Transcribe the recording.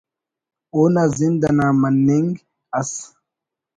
اونا زند انا مننگ ئس